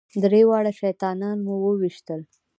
درې واړه شیطانان مو وويشتل.